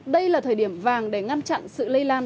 đây là thời điểm vàng để ngăn chặn sự lây lan